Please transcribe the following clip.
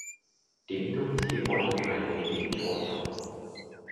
點都只可以係你點錯咗